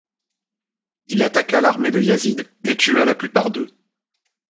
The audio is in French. Il attaqua l’armée de Yazid et tua la plupart d'eux.